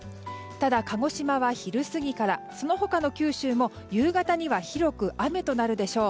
ただ鹿児島は昼過ぎからその他の九州も夕方には広く雨となるでしょう。